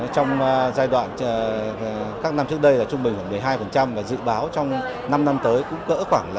trong giai đoạn các năm trước đây là trung bình khoảng một mươi hai và dự báo trong năm năm tới cũng gỡ khoảng một mươi